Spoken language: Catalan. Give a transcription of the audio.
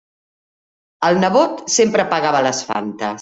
El nebot sempre pagava les Fantes.